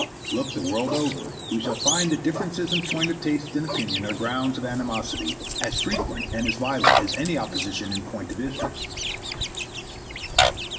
Look the world over, we shall find that differences in point of taste and opinion are grounds of animosity as frequent and as violent as any opposition in point of interest.